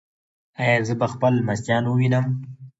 ایا زه به خپل لمسیان ووینم؟